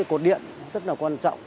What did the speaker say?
cột điện rất là quan trọng